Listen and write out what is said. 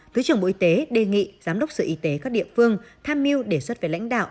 thứ trưởng bộ y tế đề nghị giám đốc sở y tế các địa phương tham mưu đề xuất với lãnh đạo